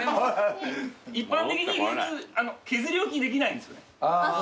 一般的に削り置きできないんですよね。